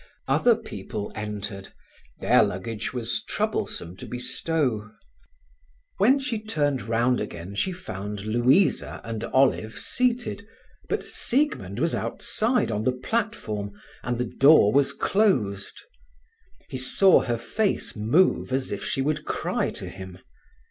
Other people entered; their luggage was troublesome to bestow. When she turned round again she found Louisa and Olive seated, but Siegmund was outside on the platform, and the door was closed. He saw her face move as if she would cry to him.